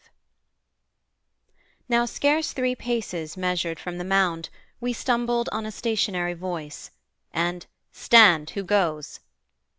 V Now, scarce three paces measured from the mound, We stumbled on a stationary voice, And 'Stand, who goes?'